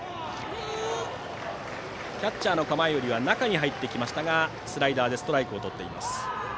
キャッチャーの構えよりは中に入ってきましたがスライダーでストライク。